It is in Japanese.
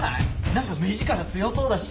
なんか目力強そうだし。